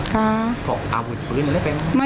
ข้า